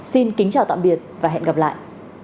xin kính chào tạm biệt và hẹn gặp lại